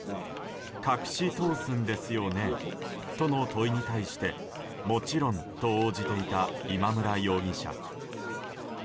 隠し通すんですよね？との問いに対してもちろんと応じていた今村容疑者。